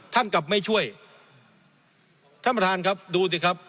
กลับไม่ช่วยท่านประธานครับดูสิครับ